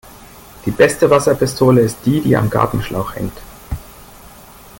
Die beste Wasserpistole ist die, die am Gartenschlauch hängt.